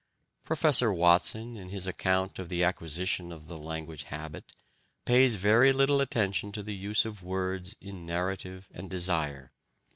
Professor Watson, in his account of the acquisition of the language habit, pays very little attention to the use of words in narrative and desire.